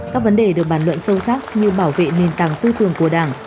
các vấn đề được bàn luận sâu sắc như bảo vệ nền tảng tư tưởng của đảng